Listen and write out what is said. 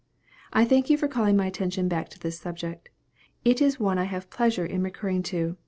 I thank you for calling my attention back to this subject. It is one I have pleasure in recurring to.